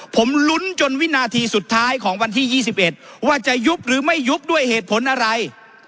ผมลุ้นจนวินาทีสุดท้ายของวันที่๒๑ว่าจะยุบหรือไม่ยุบด้วยเหตุผลอะไร